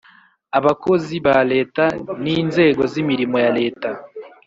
Abakozi ba Leta n Inzego z Imirimo ya Leta